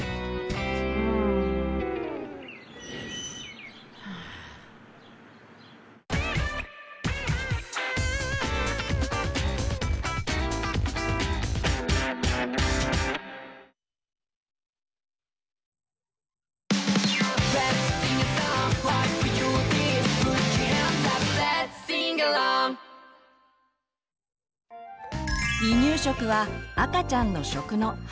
離乳食は赤ちゃんの「食」の初めの一歩。